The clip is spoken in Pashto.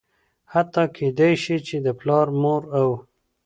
حتا کيدى شي چې د پلار ،مور او